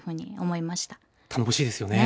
頼もしいですよね。